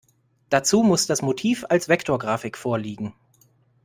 Dazu muss das Motiv als Vektorgrafik vorliegen.